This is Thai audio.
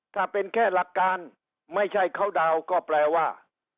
ถ้าเป็นแค่หลักการไม่ใช่เขาดาวน์ก็แปลว่า